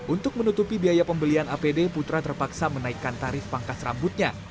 untuk menutupi biaya pembelian apd putra terpaksa menaikkan tarif pangkas rambutnya